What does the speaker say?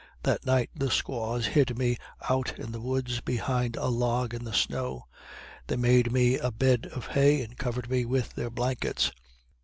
That night the squaws hid me out in the woods behind a log in the snow. They made me a bed of hay, and covered me with their blankets.